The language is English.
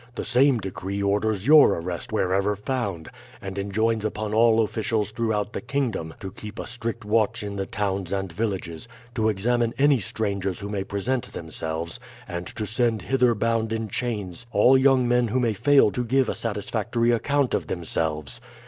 The same decree orders your arrest wherever found, and enjoins upon all officials throughout the kingdom to keep a strict watch in the towns and villages, to examine any strangers who may present themselves, and to send hither bound in chains all young men who may fail to give a satisfactory account of themselves.